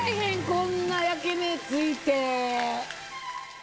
こんな焼き目ついて。